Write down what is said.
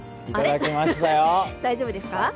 大丈夫ですか？